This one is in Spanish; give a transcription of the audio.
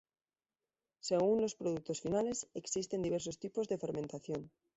Según los productos finales, existen diversos tipos de fermentación.